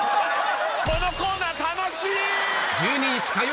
このコーナー楽しい！